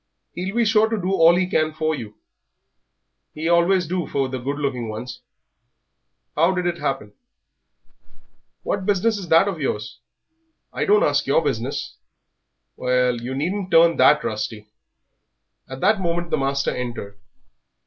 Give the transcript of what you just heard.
"He'll be sure to do all he can for you he always do for the good looking ones. How did it all happen?" "What business is that of yours? I don't ask your business." "Well, you needn't turn that rusty." At that moment the master entered.